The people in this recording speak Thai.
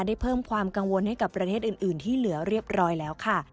ได้เพิ่มความกังวลให้กับประเทศอื่นที่เหลือเรียบร้อยแล้วค่ะ